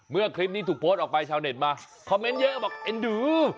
คลิปนี้ถูกโพสต์ออกไปชาวเน็ตมาคอมเมนต์เยอะบอกเอ็นดื้อ